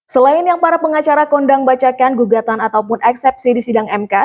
selain yang para pengacara kondang bacakan gugatan ataupun eksepsi di sidang mk